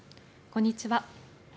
こんにちは。